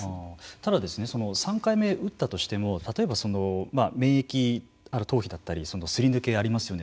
ただ、３回目打ったとしても例えば免疫逃避だったりすり抜けがありますよね。